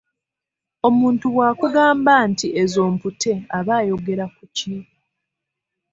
Omuntu bw’akugamba nti ezo mputte aba ayogera ku ki?